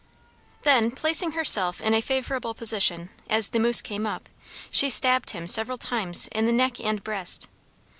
Then, placing herself in a favorable position, as the moose came up, she stabbed him several times in the neck and breast.